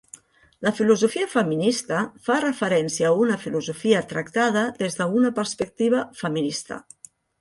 La filosofia feminista fa referència a una filosofia tractada des d'una perspectiva feminista.